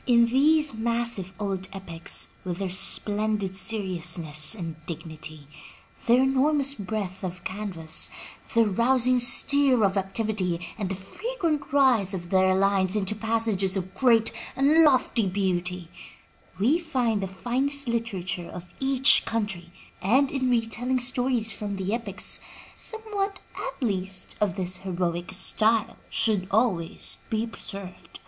In these massive old epics, with their splendid seriousness and dignity, their enormous breadth of canvas, their rousing stir of activity, and the frequent rise of their lines into passages of great and lofty beauty, we find the finest literature of each country, and in retelling stories from the epics, somewhat, at least, of this heroic style should always be preserved.